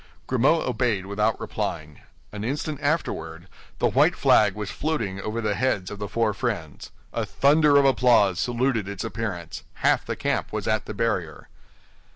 Grimaud obeyed without replying. An instant afterward, the white flag was floating over the heads of the four friends. A thunder of applause saluted its appearance; half the camp was at the barrier.